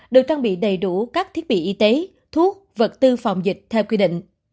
được trang bị đầy đủ các thiết bị y tế thuốc vật tư phòng dịch theo quy định